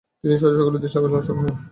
তিনি সহজেই সকলের দৃষ্টি আকর্ষনে সক্ষম হন।